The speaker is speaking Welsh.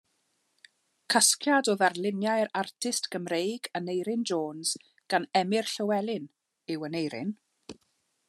Casgliad o ddarluniau'r artist Cymreig Aneurin Jones gan Emyr Llywelyn yw Aneurin.